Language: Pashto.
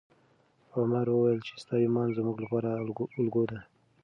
عمر وویل چې ستا ایمان زموږ لپاره الګو ده.